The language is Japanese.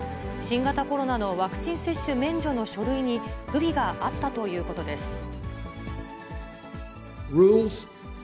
新型コロナのワクチン接種免除の書類に不備があったということです。